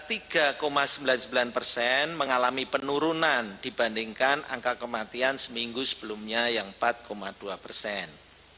tiga sembilan puluh sembilan persen mengalami penurunan dibandingkan angka kematian seminggu sebelumnya yang empat dua persen